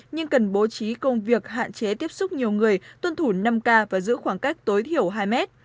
nhưng cần bố trí công việc hạn chế tiếp xúc nhiều người tuân thủ năm k và giữ khoảng cách tối thiểu hai mét